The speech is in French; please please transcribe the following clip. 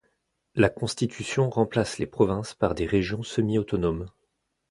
La Constitution remplace les provinces par des régions semi-autonomes.